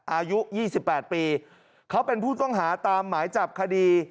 อายุ๒๘ปีเขาเป็นผู้ต้องหาตามหมายจับคดี